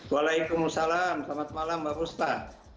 waalaikumsalam selamat malam mbak puspa